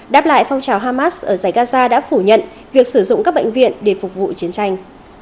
đáp lại phong trào hamas ở giải gaza đã phủ nhận việc sử dụng các bệnh viện để phục vụ chiến tranh